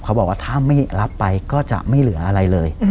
เขาบอกว่าถ้าไม่รับไปก็จะไม่เหลืออะไรเลย